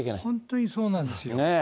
本当にそうなんですよ。